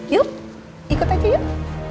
yuk ikut aja yuk